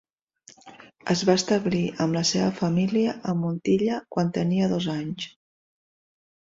Es va establir amb la seva família a Montilla quan tenia dos anys.